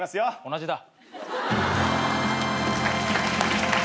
同じだ。